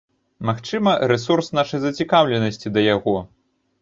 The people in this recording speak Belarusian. Магчыма, рэсурс нашай зацікаўленасці да яго.